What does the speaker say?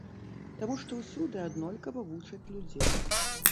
Таму што ўсюды аднолькава вучаць людзей.